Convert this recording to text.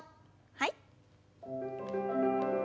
はい。